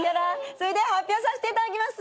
それでは発表させていただきます。